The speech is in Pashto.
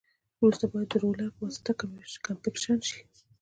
وروسته باید د رولر په واسطه کمپکشن شي